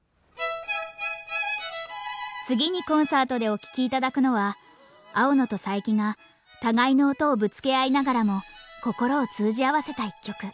次にコンサートでお聴き頂くのは青野と佐伯が互いの音をぶつけ合いながらも心を通じ合わせた１曲。